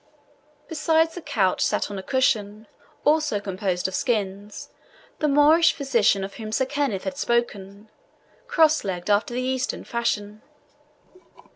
Beside the couch sat on a cushion, also composed of skins, the Moorish physician of whom Sir Kenneth had spoken, cross legged, after the Eastern fashion.